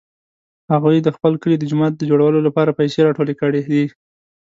هغوی د خپل کلي د جومات د جوړولو لپاره پیسې راټولې کړې دي